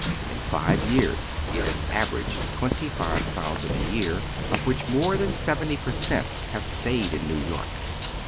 In five years it has averaged twenty five thousand a year, of which more that seventy per cent, have stayed in New York.